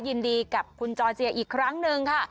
ยินดีกับคุณจอร์เจียอีกครั้งหนึ่งค่ะ